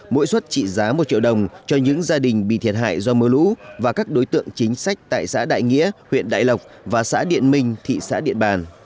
mỗi suất trị giá một triệu đồng cho những gia đình bị thiệt hại do mưa lũ và các đối tượng chính sách tại xã đại nghĩa huyện đại lộc và xã điện minh thị xã điện bàn